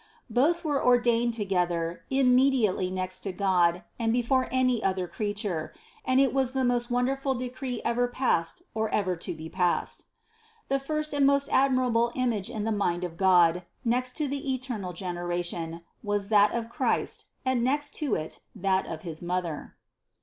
Both were ordained to gether, immediately next to God and before any other creature, and it was the most wonderful decree ever passed or ever to be passed. The first and most ad mirable image in the mind of God, next to the eternal generation, was that of Christ and next to it, that of his Mother.